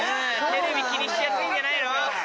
テレビ気にしてやってんじゃないの？